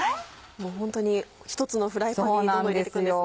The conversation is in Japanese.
ホントに１つのフライパンにどんどん入れていくんですね。